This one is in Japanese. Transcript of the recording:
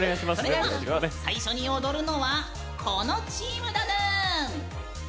最初に踊るのはこのチームだぬん。